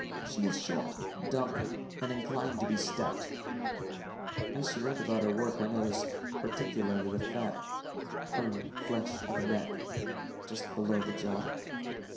She is short, dumpy, and inclined to be stout. As she went about her work, I noticed particularly the fat firm flesh of her neck, just below the jaw.